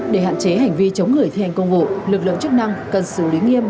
để hạn chế hành vi chống người thi hành công vụ lực lượng chức năng cần xử lý nghiêm